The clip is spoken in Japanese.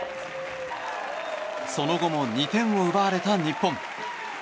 その後も２点を奪われた日本。